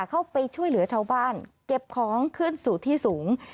เข้าไปช่วยเหลือชาวบ้านเก็บของขึ้นสู่ที่สูง